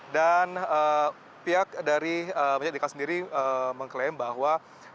dan pihak dari masjid dikasih sendiri mengklaim bahwa